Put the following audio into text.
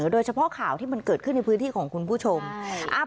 โดยเฉพาะข่าวที่มันเกิดขึ้นในพื้นที่ของคุณผู้ชม